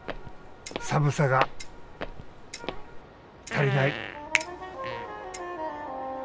寒さが足りない。